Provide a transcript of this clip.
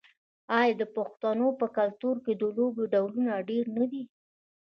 آیا د پښتنو په کلتور کې د لوبو ډولونه ډیر نه دي؟